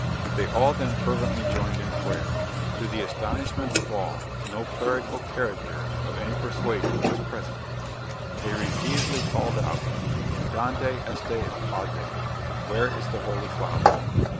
They all then fervently joined in prayer. To the astonishment of all, no clerical character, of any persuasion, was present. They repeatedly called out "Adonde esta el padre," (Where is the holy father). [Illustration: _The execution of ten pirates.